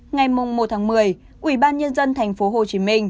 ngày một một mươi ủy ban nhân dân tp hcm